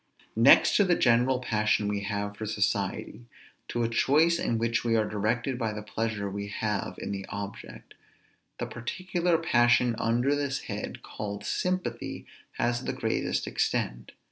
Next to the general passion we have for society, to a choice in which we are directed by the pleasure we have in the object, the particular passion under this head called sympathy has the greatest extent.